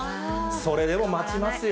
それでも待ちますよ。